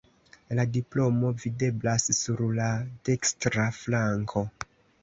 La diplomo videblas sur la dekstra flanko.